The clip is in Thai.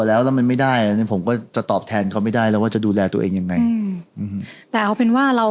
แล้วเจอแต่เรื่องแย่